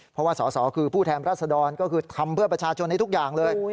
เพราะว่าสอสอคือผู้แทนรัศดรก็คือทำเพื่อประชาชนให้ทุกอย่างเลย